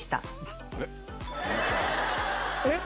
えっ？